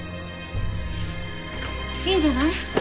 いいんじゃない。